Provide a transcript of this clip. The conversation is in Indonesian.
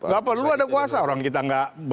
gak perlu ada kuasa orang kita nggak